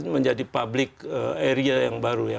menjadi public area yang baru ya